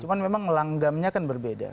cuma memang langgamnya kan berbeda